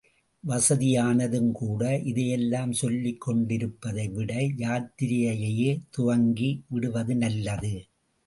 வசதியானதும் கூட இதையெல்லாம் சொல்லிக் கொண்டிருப்பதை விட யாத்திரையையே துவங்கி விடுவது நல்லது.